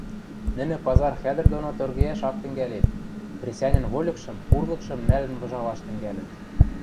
нӹнӹ пазар хӓдӹр доно торгейӓш ак тӹнгӓлеп, хресӓньӹн вольыкшым, пурлыкшым нӓлӹн выжалаш тӹнгӓлӹт.